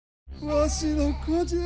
わしの子じゃ！